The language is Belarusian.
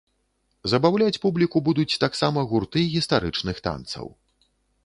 Забаўляць публіку будуць таксама гурты гістарычных танцаў.